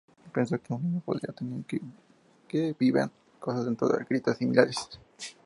Pensó que un niño podría creer que viven cosas dentro de grietas similares.